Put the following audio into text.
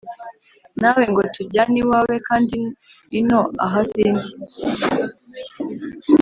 nawe ngo tujyane iwawe kandi ino aha sindi